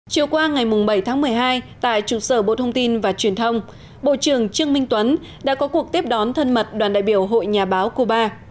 chiều qua ngày bảy tháng một mươi hai tại trụ sở bộ thông tin và truyền thông bộ trưởng trương minh tuấn đã có cuộc tiếp đón thân mật đoàn đại biểu hội nhà báo cuba